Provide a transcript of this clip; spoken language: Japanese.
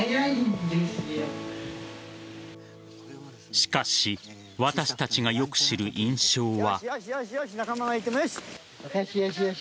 しかし私たちがよく知る印象は。